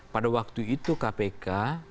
pada waktu itu kpk